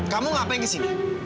kamu ngapain ke sini